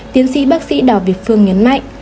tiến sĩ bác sĩ đào việt phương nhấn mạnh